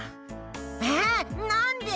えなんで！